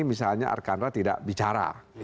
misalnya arkandra tidak bicara